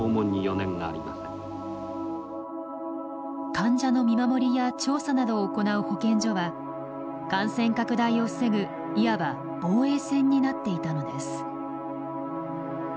患者の見守りや調査などを行う保健所は感染拡大を防ぐいわば防衛線になっていたのです。